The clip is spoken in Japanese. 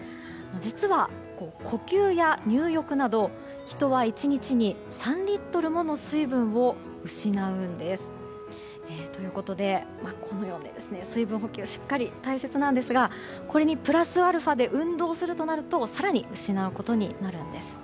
実は、呼吸や入浴など人は１日に３リットルもの水分を失うんです。ということで、このように水分補給、しっかり大切なんですがこれにプラスアルファで運動するとなると更に失うことになるんです。